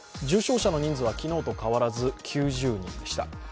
重症者の人数は昨日と変わらず９０人でした。